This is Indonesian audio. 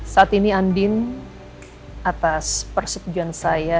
saat ini andin atas persetujuan saya